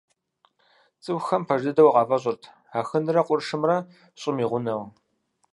ЦӀыхухэм пэж дыдэу къафӀэщӀырт Ахынрэ къуршымрэ ЩӀым и гъунэу.